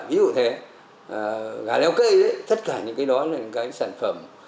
ví dụ thế gà leo cây tất cả những cái đó là những cái sản phẩm